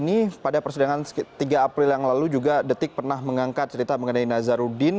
sejumlah saksi yang dipanggil hari ini pada persidangan tiga april yang lalu juga detik pernah mengangkat cerita mengenai nazaruddin